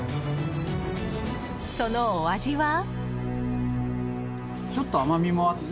そのお味は。